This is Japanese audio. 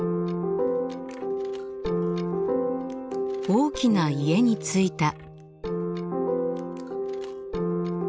大きな家に着いた。